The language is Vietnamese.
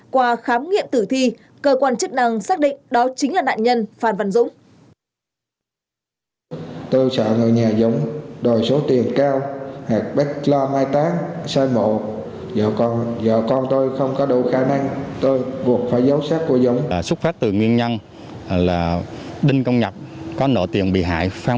qua khám nghiệm tử thi cơ quan chức năng xác định